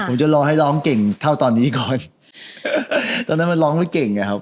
ผมจะรอให้ร้องเก่งเท่าตอนนี้ก่อนตอนนั้นมันร้องไม่เก่งไงครับ